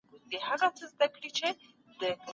سياستپوهان بايد د ټولنيزو ستونزو واقعي لاملونه پيدا کړي.